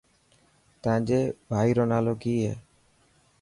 تانجي ڀائي رو نالو ڪي هي.